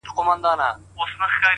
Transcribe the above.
زما تصـور كي دي تصـوير ويده دی ـ